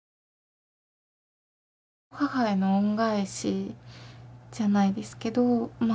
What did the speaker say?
母への恩返しじゃないですけどまあ